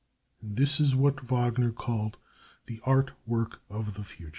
And this is what Wagner called "The Art Work of the Future."